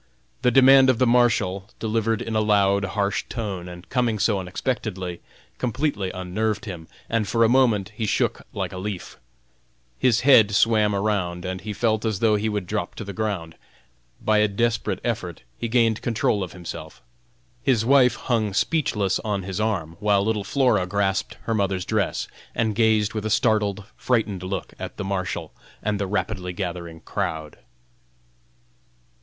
The demand of the Marshal, delivered in a loud, harsh tone, and coming so unexpectedly, completely unnerved him, and for a moment he shook like a leaf. His head swam around, and he felt as though he would drop to the ground. By a desperate effort he gained control of himself. His wife hung speechless on his arm, while little Flora grasped her mother's dress, and gazed with a startled, frightened look at the Marshal and the rapidly gathering crowd.